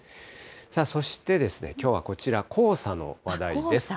そして、きょうはこちら、黄砂の話題です。